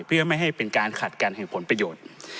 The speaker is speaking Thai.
เพื่อไม่ให้เป็นการขัดกันแห่งผลประโยชน์